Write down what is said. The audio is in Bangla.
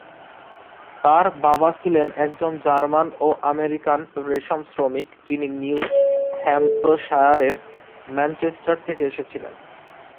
তার বাবা ছিলেন একজন জার্মান আমেরিকান রেশম শ্রমিক, যিনি নিউ হ্যাম্পশায়ারের ম্যানচেস্টার থেকে এসেছিলেন।